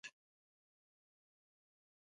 د دې ژبې د ودې او پراختیا لپاره هلې ځلې شوي دي.